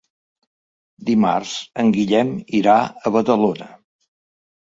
Dimarts en Guillem irà a Badalona.